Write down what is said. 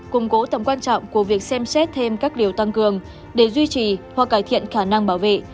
củng cố tầm quan trọng của việc xem xét thêm các điều tăng cường để duy trì hoặc cải thiện khả năng bảo vệ